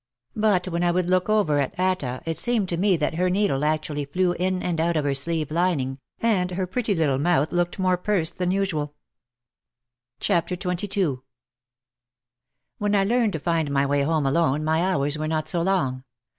But when I would look over at Atta it seemed to me that her needle actually flew in and out of her sleeve lining and her pretty little mouth looked more pursed than usual. OUT OF THE SHADOW 89 XXII When I learned to find my way home alone my hours were not so long.